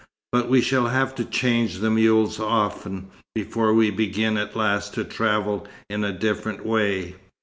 But we shall have to change the mules often, before we begin at last to travel in a different way."